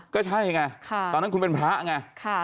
ก็ใช่ไงตอนนั้นคุณเป็นพระไง